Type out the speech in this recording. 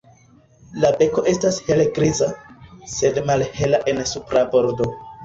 La beko estas helgriza, sed malhela en supra bordo.